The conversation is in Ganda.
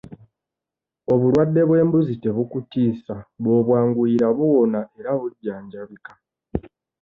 Obulwadde bw'embuzi tebukutiisa bw'obwanguyira buwona era bujjanjabika.